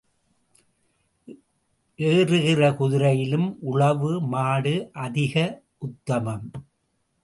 ஏறுகிற குதிரையிலும் உழவு மாடு அதிக உத்தமம்.